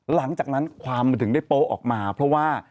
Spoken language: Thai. หลังจากนั้นความมันถึงได้โป๊ะออกมาเพราะว่า